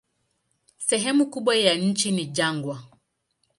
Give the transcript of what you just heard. Sehemu kubwa ya nchi ni jangwa.